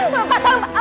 bapak tahu apa